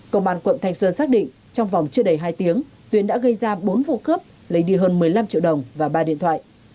công an quận thanh xuân xác định trong vòng chưa đầy hai tiếng tuyến đã gây ra bốn vụ cướp lấy đi hơn một mươi năm triệu đồng và ba điện thoại